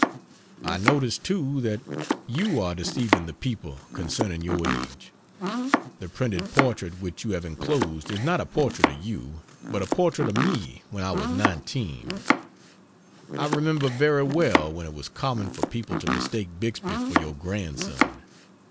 I notice, too, that you are deceiving the people concerning your age. The printed portrait which you have enclosed is not a portrait of you, but a portrait of me when I was 19. I remember very well when it was common for people to mistake Bixby for your grandson.